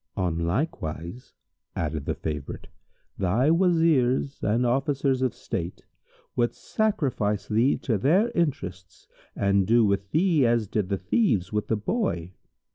"On like wise," added the favourite, "thy Wazirs and Officers of state would sacrifice thee to their interests and do with thee as did the Thieves with the Boy."